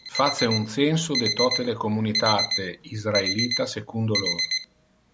Face un censo de tote le communitate israelita secundo lor